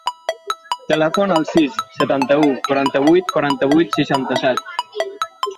Telefona al sis, setanta-u, quaranta-vuit, quaranta-vuit, seixanta-set.